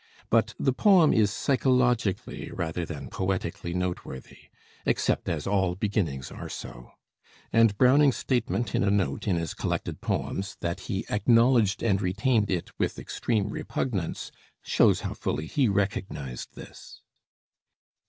But the poem is psychologically rather than poetically noteworthy except as all beginnings are so; and Browning's statement in a note in his collected poems that he "acknowledged and retained it with extreme repugnance," shows how fully he recognized this.